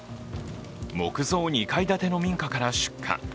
木造２階建ての民家から出火。